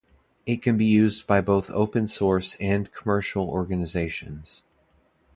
It can be used by both open source and commercial organisations.